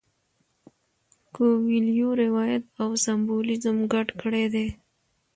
کویلیو روایت او سمبولیزم ګډ کړي دي.